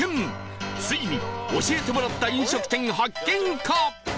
ついに教えてもらった飲食店発見か？